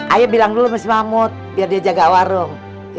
ayah bilang dulu mas mahmud biar dia jaga warung